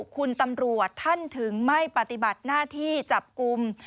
คุณตำรวจท่านถึงไม่ปฏิบัติหน้าที่จับกลุ่ม